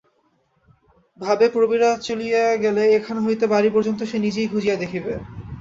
ভাবে, প্রবীর চলিয়া গেলে এখান হইতে বাড়ি পর্যন্ত সে নিজেই খুঁজিয়া দেখিবে।